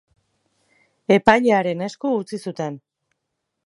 Epailearen esku utzi zuten.